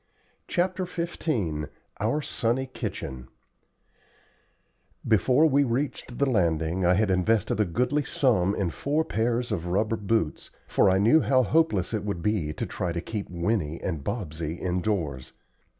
CHAPTER XV OUR SUNNY KITCHEN Before we reached the landing I had invested a goodly sum in four pairs of rubber boots, for I knew how hopeless it would be to try to keep Winnie and Bobsey indoors.